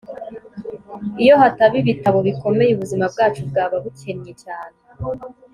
iyo hataba ibitabo bikomeye, ubuzima bwacu bwaba bukennye cyane